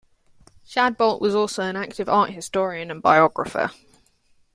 Shadbolt was also an active art historian and biographer.